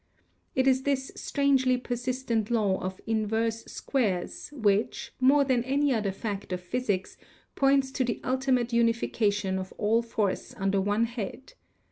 It is this strangely persistent law of inverse squares which, more than any other fact of physics, points to the ultimate unification of all Force under one head.